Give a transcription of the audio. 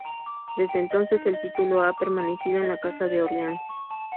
Desde entonces el título ha permanecido en la Casa de Orleans.